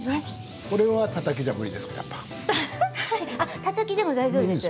これはたたきでは無理ですか？